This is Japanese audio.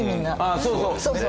そうそうそうそう。